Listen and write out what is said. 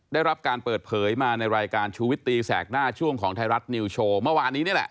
ได้รับการเปิดเผยมาในรายการชูวิตตีแสกหน้าช่วงของไทยรัฐนิวโชว์เมื่อวานนี้นี่แหละ